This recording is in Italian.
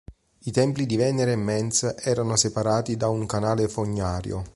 I templi di Venere e Mens erano separati da un canale fognario.